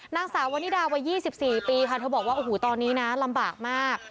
นางสาววนิดาวัย๒๔ปีค่ะเธอบอกว่าโอ้โหตอนนี้นะลำบากมาก